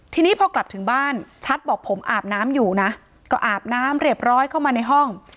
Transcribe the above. ทีนี้พอกลับถึงบ้านชัดบอกผมอาบน้ำอยู่นะก็อาบน้ำเรียบร้อยเข้ามาในห้อง